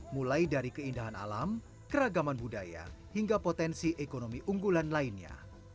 mulai dari keindahan alam keragaman budaya hingga potensi ekonomi unggulan lainnya